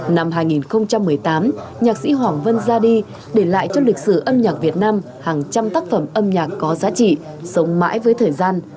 năm hai nghìn một mươi tám nhạc sĩ hoàng vân ra đi để lại cho lịch sử âm nhạc việt nam hàng trăm tác phẩm âm nhạc có giá trị sống mãi với thời gian